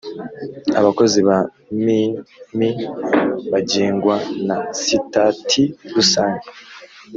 abakozi ba mmi bagengwa na sitati rusange